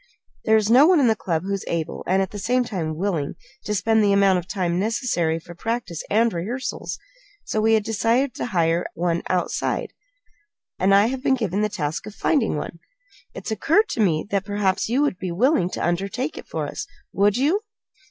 There is no one in the club who is able, and at the same time willing, to spend the amount of time necessary for practice and rehearsals. So we had decided to hire one outside, and I have been given the task of finding one. It has occurred to me that perhaps you would be willing to undertake it for us. Would you?"